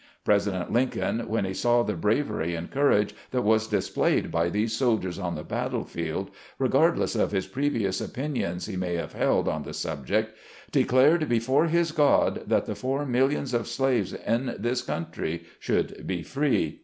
President Lincoln, when he saw the bravery and courage that was displayed by these soldiers on the battle field — regardless of his previous opinions he may have held on the sub ject — declared before his God, that the four mil lions of slaves in this country should be free.